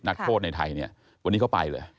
นักโทษในไทยเนี่ยวันนี้เขาไปเลย